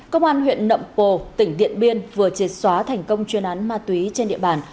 công an huyện nậm pồ tỉnh điện biên vừa triệt xóa thành công chuyên án ma túy trên địa bàn